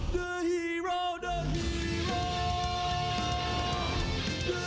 ตับเจสายรุงเจมส์สิดเจสายรุงเจมส์